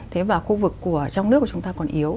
thế và khu vực của trong nước của chúng ta còn yếu